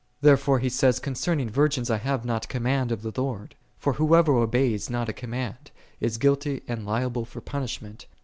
Therefore he says, " Concerning virgins I have not command of the Lord." * For who soever obeys not a command, is guilty and liable for punishment.